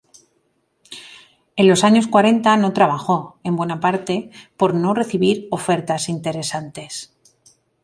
En los años cuarenta no trabajó, en buena parte por no recibir ofertas interesantes.